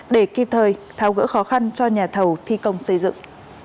để kịp thời tháo gỡ khó khăn cho nhà thầu thi công xây dựng